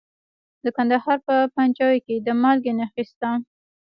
د کندهار په پنجوايي کې د مالګې نښې شته.